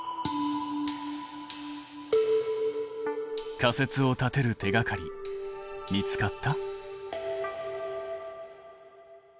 仮説を立てる手がかり見つかった？